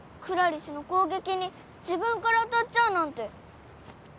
クラリスの攻撃に自分から当たっちゃうなんて。